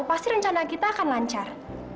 pasti rencana kita akan lancar